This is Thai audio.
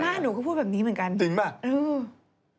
อาม่าหนูก็พูดแบบนี้เหมือนกันจริงไหม